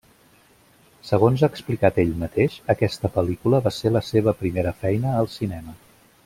Segons ha explicat ell mateix, aquesta pel·lícula va ser la seva primera feina al cinema.